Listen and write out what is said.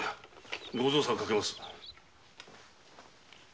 ご造作をかけます。